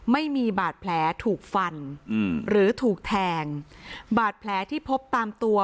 ไม่มีบาดแผลถูกฟันอืมหรือถูกแทงบาดแผลที่พบตามตัว